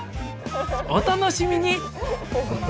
お楽しみに！